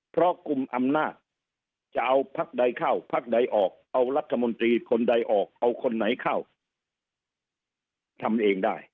เพราะกลุ่มอำนาจจะเอาพักใดเข้าพักใดออกเอารัฐมนตรีคนใดออกเอาคนไหนเข้าทำเองได้